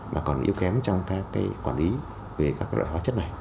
mà còn yêu khém trong cái quản lý về các loại hóa chất này